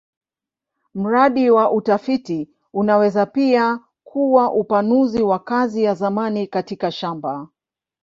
Mradi wa utafiti unaweza pia kuwa upanuzi wa kazi ya zamani katika shamba.